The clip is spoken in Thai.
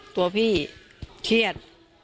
ตัวพี่เครียด